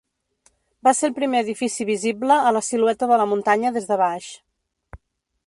Va ser el primer edifici visible a la silueta de la muntanya des de baix.